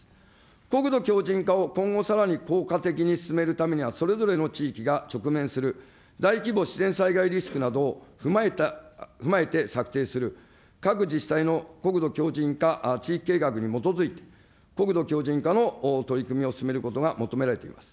国土強じん化を今後さらに効果的に進めるためには、それぞれの地域が直面する、大規模自然災害リスクなどを踏まえて策定する、各自治体の国土強じん化地域計画に基づいて、国土強じん化の取り組みを進めることが求められています。